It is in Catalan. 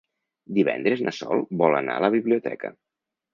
Divendres na Sol vol anar a la biblioteca.